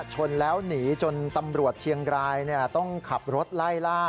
ชนแล้วหนีจนตำรวจเชียงรายต้องขับรถไล่ล่า